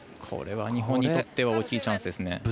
これは日本にとっては大きいチャンスですね。